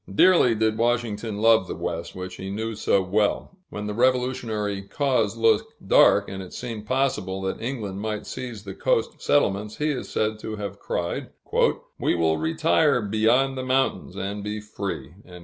Dearly did Washington love the West, which he knew so well; when the Revolutionary cause looked dark, and it seemed possible that England might seize the coast settlements, he is said to have cried, "We will retire beyond the mountains, and be free!"